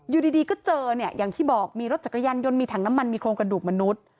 อยู่ดีก็เจอเนี่ยอย่างที่บอกมีรถจักรยานยนต์มีถังน้ำมันมีโครงกระดูกมนุษย์